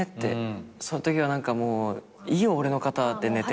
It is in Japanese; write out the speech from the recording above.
そのときは何かもういいよ俺の肩で寝て。